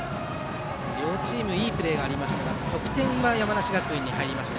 両チームいいプレーがありましたが得点は山梨学院に入りました。